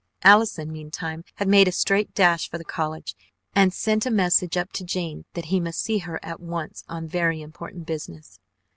Allison, meantime, had made a straight dash for the college and sent a message up to Jane that he must see her at once on very important business.